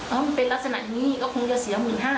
มันเป็นลักษณะนี้ก็คงจะเสีย๑๕๐๐